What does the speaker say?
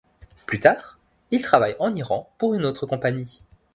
Plus tard, il travaille en Iran pour une autre compagnie.